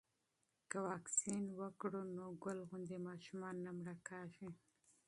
که واکسین وکړو نو ګل غوندې ماشومان نه مړه کیږي.